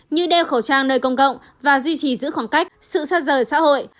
như đeo khẩu trang nơi công cộng và duy trì giữ khoảng cách sự xa rời xã hội